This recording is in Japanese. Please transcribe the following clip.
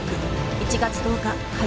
１月１０日火曜